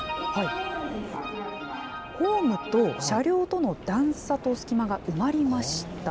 ホームと車両との段差と隙間が埋まりました。